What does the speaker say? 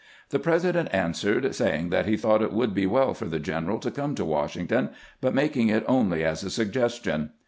The President answered, saying that he thought it would be well for the general to come to Washington, but making it only as a suggestion.